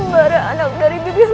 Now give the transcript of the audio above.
sembara anak dari bibir maryam bopo